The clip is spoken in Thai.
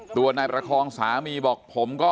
ตัวนายประคองสามีบอกผมก็